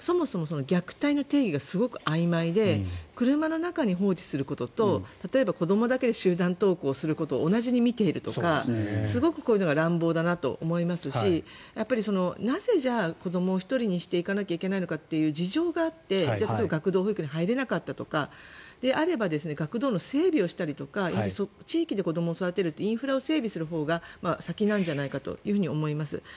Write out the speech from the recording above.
そもそも虐待の定義がすごくあいまいで車の中に放置することと例えば子どもだけで集団登校をすることを同じに見ているとかすごくこういうのは乱暴だなと思いますしなぜ、子どもを１人にして行かなきゃいけないのかという事情があって例えば学童保育に入れなかったとかであれば学童の整備をしたり地域で子どもを育てるインフラの整備をすることのほうが先なんじゃないかと思います。